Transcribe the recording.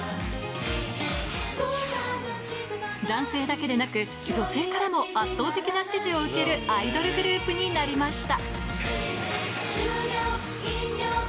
男性だけでなく、女性からも圧倒的な支持を受けるアイドルグループになりました。